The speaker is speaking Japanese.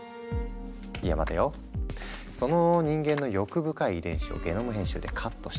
いや待てよその人間の欲深い遺伝子をゲノム編集でカットしたら。